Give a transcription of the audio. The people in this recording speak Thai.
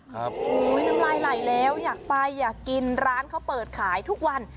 โอ้โหน้ำลายไหลแล้วอยากไปอยากกินร้านเขาเปิดขายทุกวัน